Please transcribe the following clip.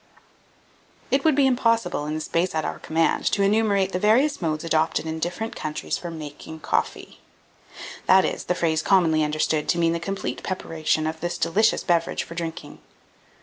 1799. It would be impossible, in the space at our command, to enumerate the various modes adopted in different countries for "making coffee;" that is, the phrase commonly understood to mean the complete preparation of this delicious beverage for drinking.